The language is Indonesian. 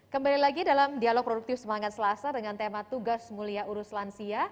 kembali lagi dalam dialog produktif semangat selasa dengan tema tugas mulia urus lansia